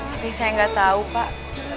tapi saya gak tau pak